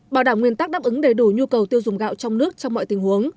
bảo đảm nguyên tắc đáp ứng đầy đủ nhu cầu tiêu dùng gạo trong nước trong mọi tình huống